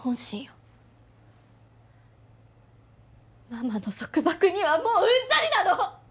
ママの束縛にはもううんざりなの！